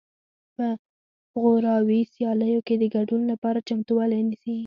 په غوراوي سیالیو کې د ګډون لپاره چمتووالی نیسي